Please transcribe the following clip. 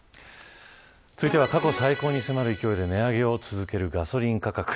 続いては過去最高に迫る勢いで値上げを続けるガソリン価格。